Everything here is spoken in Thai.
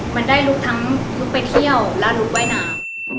มันได้ลุกทั้งลุกไปเที่ยวและลุกว่ายน้ำ